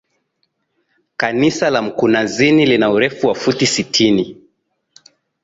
Kanisa la mkunazini lina urefu wa futi sitini